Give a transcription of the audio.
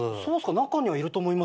中にはいると思いますけどね。